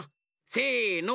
せの。